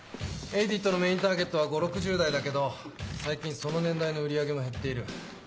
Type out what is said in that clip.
エイディットのメインターゲットは５０６０代だけど最近その年代の売り上げも減っている。